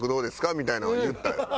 みたいなのは言ったよ。